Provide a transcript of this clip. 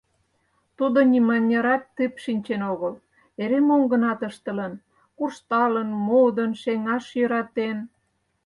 Тудо нимынярат тып шинчен огыл, эре мом-гынат ыштылын: куржталын, модын, шеҥаш йӧратен.